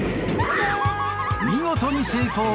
見事に成功！